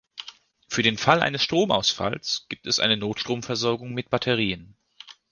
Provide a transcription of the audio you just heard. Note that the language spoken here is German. Für den Fall eines Stromausfalls gibt es eine Notstromversorgung mit Batterien.